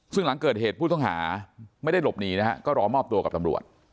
ซึ่งหลังเกิดเหตุผู้ต้องหาไม่ได้หลบหนีนะฮะก็รอมอบตัวกับตำรวจ